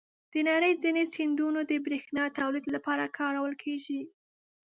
د نړۍ ځینې سیندونه د بریښنا تولید لپاره کارول کېږي.